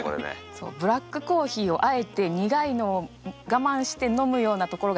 そうブラックコーヒーをあえて苦いのを我慢して飲むようなところが中二病っぽいかなと思って。